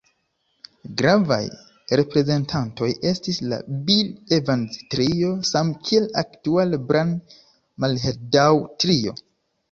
Gravaj reprezentantoj estis la Bill-Evans-Trio samkiel aktuale Brad-Mehldau-Trio.